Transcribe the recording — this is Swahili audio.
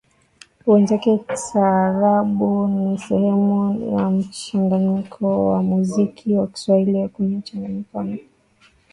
Wenzake Taarabu ni sehemu ya mchanganyiko wa muziki wa Kiswahili na wenye kuchanganyika na